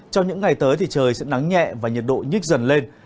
trong những ngày tới thì trời sẽ nắng nhẹ và nhiệt độ nhích dần lên